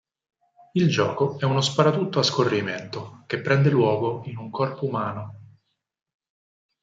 Il gioco è uno sparatutto a scorrimento che prende luogo in un corpo umano.